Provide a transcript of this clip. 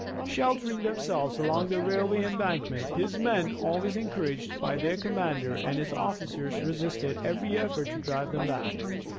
Sheltering themselves along the railway embankment his men, always encouraged by their commander, and his officers, resisted every effort to drive them back.